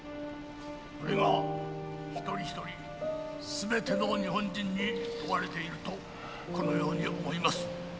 「それが一人一人全ての日本人に問われているとこのように思います」。